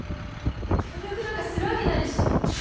協力なんかするわけないでしょ！